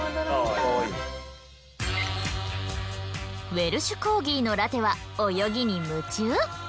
ウェルシュ・コーギーのラテは泳ぎに夢中。